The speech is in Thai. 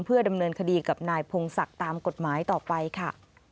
เพื่อดำเนินคดีกับนายพงศักดิ์ตามกฎหมายต่อไปค่ะ